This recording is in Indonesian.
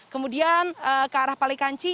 kemudian ke arah palikanci